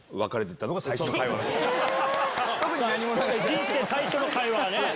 人生最初の会話がね。